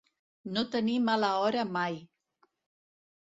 No tenir mala hora mai.